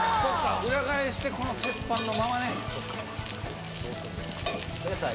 裏返してこの鉄板のまま。